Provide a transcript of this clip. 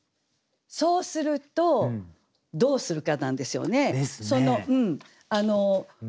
そうするとどうするかなんですよね。ですね。